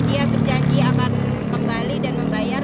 dia berjanji akan kembali dan membayar